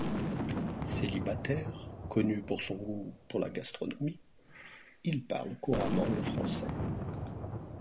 Célibataire, connu pour son goût pour la gastronomie, il parle couramment le français.